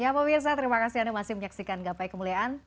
ya pemirsa terima kasih anda masih menyaksikan gapai kemuliaan